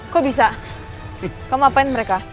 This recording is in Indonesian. kok bisa kamu ngapain mereka